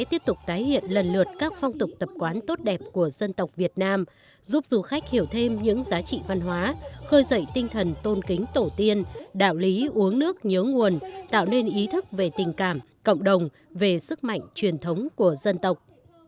tiếp tục tái hiện lần lượt các phong tục tập quán tốt đẹp của dân tộc việt nam giúp du khách hiểu thêm những giá trị văn hóa khơi dậy tinh thần tôn kính tổ tiên đạo lý uống nước nhớ nguồn tạo nên ý thức về tình cảm cộng đồng về sức mạnh truyền thống của dân tộc